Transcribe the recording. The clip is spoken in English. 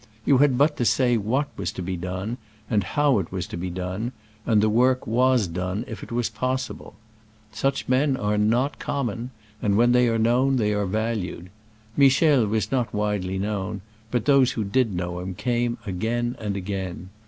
You had but to say what was to be done and how it was to be done, and the work was done if it was pos sible. Such men are not common, and when they are known they are valued. Michel was not widely known, but those who did know him came again and again.